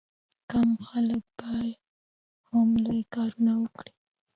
کم خلک به هم لوی کارونه وکړي.